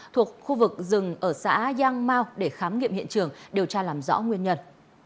thuộc khu vực rừng ở xã giang mau để khám nghiệm hiện trường điều tra làm rõ nguyên nhân